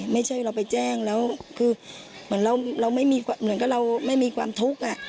ไม่ใช่เราไปแจ้งแล้วคือเหมือนกับเราไม่มีความทุกข์